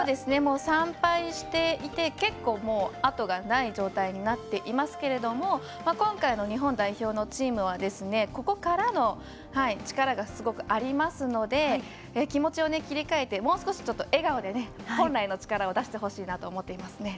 ３敗していて結構、あとがない状態になっていますけど今回の日本代表のチームはここからの力がすごくありますので気持ちを切り替えてもう少し笑顔で本来の力を出してほしいなと思います。